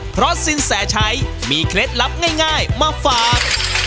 เพราะสินแสชัยมีเคล็ดลับง่ายมาฝาก